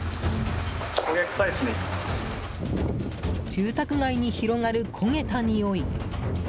住宅街に広がる焦げたにおい。